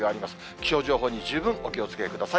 気象情報に十分お気をつけください。